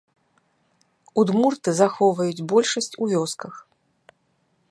Удмурты захоўваюць большасць у вёсках.